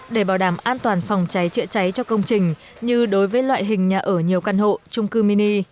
để bảo đảm an toàn phòng cháy chữa cháy cho công trình như đối với loại hình nhà ở nhiều căn hộ trung cư mini